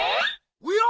おや？